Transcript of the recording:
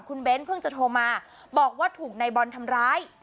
คุณเบ้นเพิ่งจะโทรมาบอกว่าถูกนายบอลทำร้าย